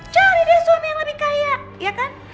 cari deh suami yang lebih kaya ya kan